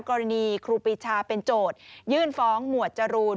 ครูปีชาเป็นโจทยื่นฟ้องหมวดจรูน